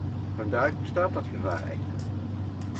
Vandaag bestaat dat gevaar echter.